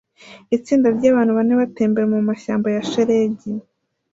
Itsinda ryabantu bane batembera mumashyamba ya shelegi